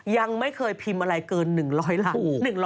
ยังไม่เคยพิมพ์อะไรเกิน๑๐๐หลัง